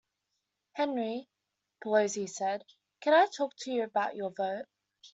'Henry,' Pelosi said, 'can I talk to you about your vote?